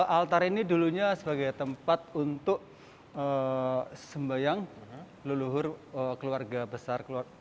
altar ini dulunya sebagai tempat untuk sembayang leluhur keluarga besar keluarga